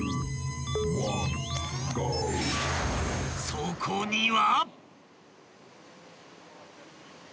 ［そこには］